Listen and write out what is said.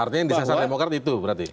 artinya yang disasarkan demokrasi itu berarti